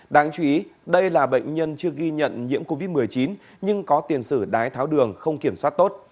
đáng chú ý đây là bệnh nhân chưa ghi nhận nhiễm covid một mươi chín nhưng có tiền sử đái tháo đường không kiểm soát tốt